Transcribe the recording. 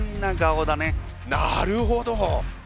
なるほど！